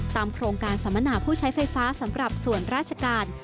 โครงการสัมมนาผู้ใช้ไฟฟ้าสำหรับส่วนราชการ